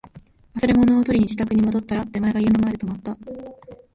忘れ物を取りに自宅に戻ったら、出前が家の前で止まった